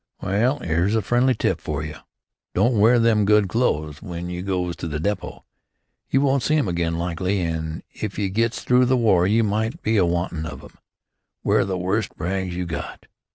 "Well, 'ere's a friendly tip for you. Don't wear them good clo'es w'en you goes to the depot. You won't see 'em again likely, an' if you gets through the war you might be a wantin' of 'em. Wear the worst rags you got."